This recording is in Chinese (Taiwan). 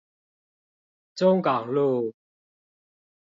中港路